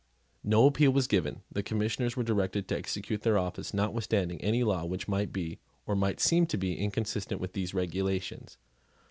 No appeal was given. The Commissioners were directed to execute their office notwithstanding any law which might be, or might seem to be, inconsistent with these regulations.